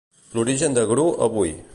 L'origen de Gru avui.